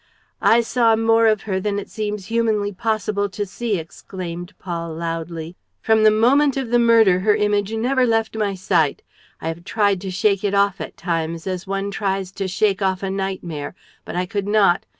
." "I saw more of her than it seems humanly possible to see," exclaimed Paul, loudly. "From the moment of the murder her image never left my sight. I have tried to shake it off at times, as one tries to shake off a nightmare; but I could not.